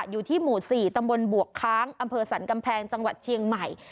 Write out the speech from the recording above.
อยู่ที่หมู่๔ตำบลบวกค้างอำเภอสรรกำแพงจังหวัดเชียงใหม่